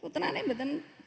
bukan ada yang beli